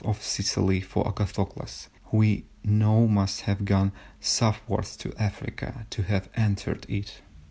of Sicily for Agathocles, who we know must have gone southwards to Africa, to have entered it.